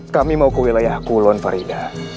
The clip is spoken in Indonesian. kami mau ke wilayah kulon farida